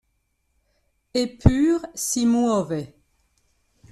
E pur si muove.